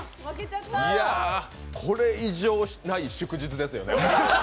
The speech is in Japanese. これ以上ない祝日ですよね。